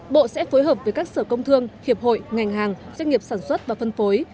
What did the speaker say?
bộ sẽ phối hợp với các sở công thương hiệp hội ngành hàng doanh nghiệp sản xuất và phân phối